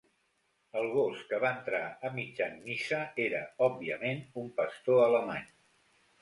El gos que va entrar a mitjan missa era, òbviament, un pastor alemany.